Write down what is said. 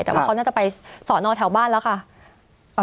แต่ว่าเขาน่าจะไปสอนอแถวบ้านแล้วค่ะ